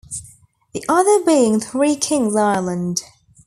The other being Three Kings Islands.